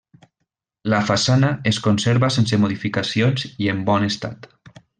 La façana es conserva sense modificacions i en bon estat.